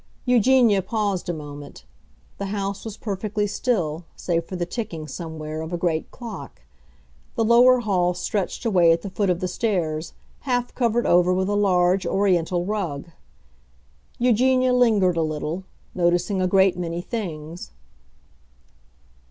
Eugenia paused a moment; the house was perfectly still, save for the ticking, somewhere, of a great clock. The lower hall stretched away at the foot of the stairs, half covered over with a large Oriental rug. Eugenia lingered a little, noticing a great many things.